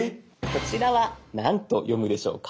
こちらは何と読むでしょうか？